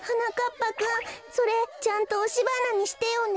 ぱくんそれちゃんとおしばなにしてよね。